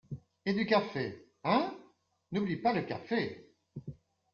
Et du café, hein? n’oublie pas le café!